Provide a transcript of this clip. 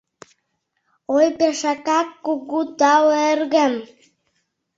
— Ой, пешакак кугу тау, эргым!